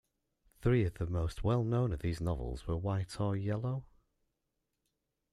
Three of the most well known of these novels were White or Yellow?